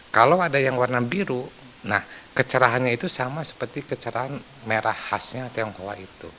kalau ada yang warna biru nah kecerahannya itu sama seperti kecerahan merah khasnya tionghoa itu